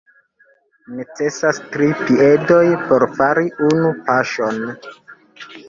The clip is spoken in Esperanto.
Necesas tri piedoj por fari unu paŝon.